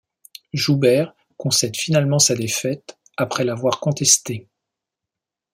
Joubert concède finalement sa défaite après l'avoir contestée.